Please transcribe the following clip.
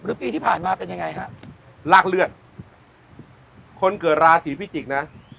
ปีที่ผ่านมาเป็นยังไงฮะลากเลือดคนเกิดราศีพิจิกษ์นะ